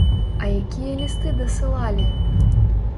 А якія лісты дасылалі!